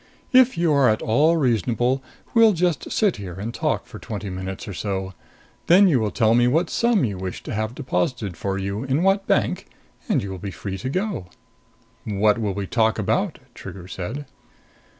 If you are at all reasonable, we'll just sit here and talk for twenty minutes or so. Then you will tell me what sum you wish to have deposited for you in what bank, and you will be free to go." "What will we talk about?" Trigger said.